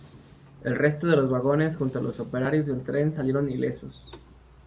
El resto de los vagones junto a los operarios del tren salieron ilesos.